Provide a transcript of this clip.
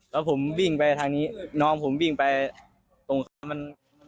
แล้วผมน้องผมวิ่งไปตรงข้างมัน